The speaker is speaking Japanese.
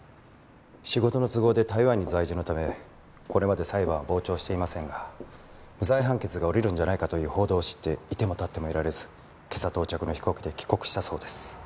仕事の都合で台湾に在住のためこれまで裁判は傍聴していませんが無罪判決が下りるんじゃないかという報道を知っていてもたってもいられず今朝到着の飛行機で帰国したそうです。